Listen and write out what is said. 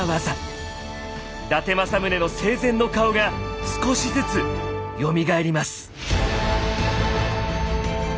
伊達政宗の生前の顔が少しずつよみがえります。